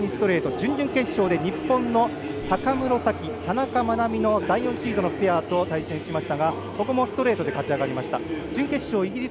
準々決勝で日本の高室冴綺、田中の第４シードのペアと対戦しましたがここもストレートで勝ち上がりました。